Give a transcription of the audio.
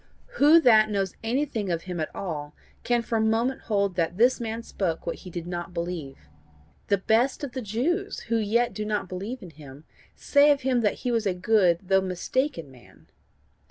Who that knows anything of him at all can for a moment hold that this man spoke what he did not believe? The best of the Jews who yet do not believe in him, say of him that he was a good though mistaken man.